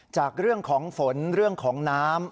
จากเรื่องของฝนเรื่องของน้ำ